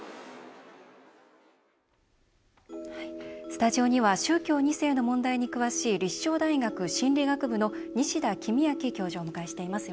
スタジオには宗教２世の問題に詳しい立正大学心理学部の西田公昭教授をお迎えしています。